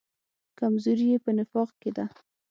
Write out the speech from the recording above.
کمزوري یې په نفاق کې ده.